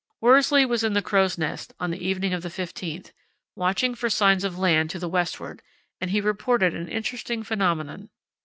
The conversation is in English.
Worsley was in the crow's nest on the evening of the 15th, watching for signs of land to the westward, and he reported an interesting phenomenon.